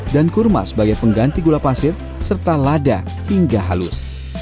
dan kurma sebagai pengganti gula pasir serta lada hingga halus